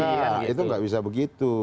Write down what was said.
iya itu nggak bisa begitu